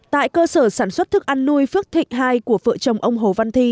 tại cơ sở sản xuất thức ăn nuôi phước thịnh hai của vợ chồng ông hồ văn thi